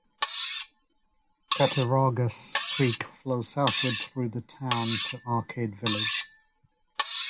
Cattaraugus Creek flows southward through the town to Arcade village.